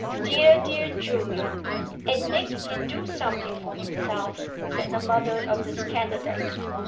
"Dear, dear Julia! And Nick can do something for himself," said the mother of this candidate.